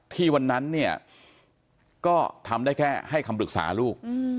วันนั้นเนี่ยก็ทำได้แค่ให้คำปรึกษาลูก